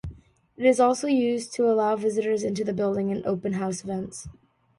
It is also used to allow visitors into the building in open house events.